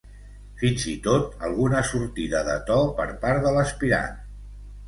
fins i tot alguna sortida de to per part de l'aspirant